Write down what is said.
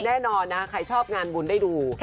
แน่นอนนะใครชอบงานบุญได้ดู